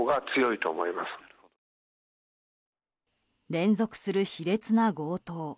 連続する卑劣な強盗。